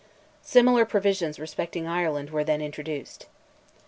"Similar provisions respecting Ireland were then introduced."